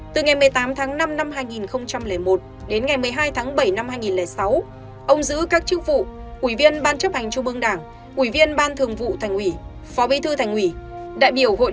từ ngày một mươi tám tháng năm năm hai nghìn một đến ngày một mươi hai tháng bảy năm hai nghìn sáu ông giữ các chức vụ ủy viên ban chấp hành trung ương đảng ủy viên ban thường vụ thành ủy phó bí thư thành ủy